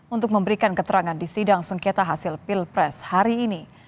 untuk memberikan keterangan di sidang sengketa hasil pilpres hari ini